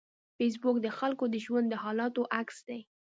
فېسبوک د خلکو د ژوند د حالاتو عکس دی